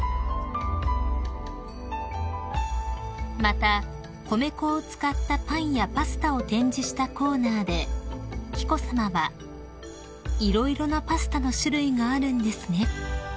［また米粉を使ったパンやパスタを展示したコーナーで紀子さまは「色々なパスタの種類があるんですね」